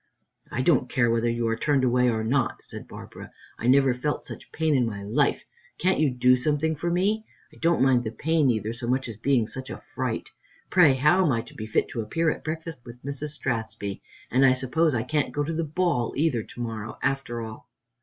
"I don't care whether you are turned away or not," said Barbara; "I never felt such pain in my life. Can't you do something for me? I don't mind the pain either so much as being such a fright. Pray, how am I to be fit to appear at breakfast with Mrs. Strathspey; and I suppose I can't go to the ball either to morrow, after all."